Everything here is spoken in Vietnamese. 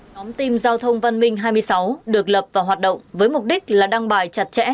nhóm team giao thông văn minh hai mươi sáu được lập và hoạt động với mục đích là đăng bài chặt chẽ